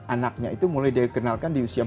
anaknya itu mulai dikenalkan di usia